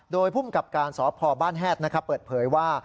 โดยภูมิกับการสพบ้านแฮดเปิดเผยว่า